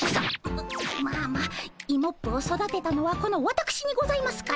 ままあまあイモップを育てたのはこのわたくしにございますから。